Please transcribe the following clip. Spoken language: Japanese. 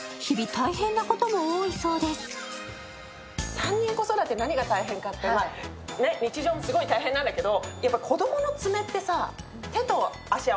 ３人子育て何が大変かって、日常大変なんだけど。